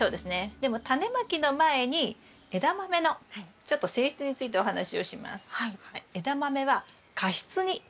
でもタネまきの前にエダマメのちょっと性質についてお話をします。